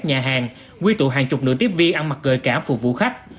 nhà hàng quy tụ hàng chục nửa tiếp viên ăn mặc gợi cảm phục vụ khách